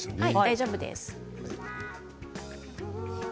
大丈夫です。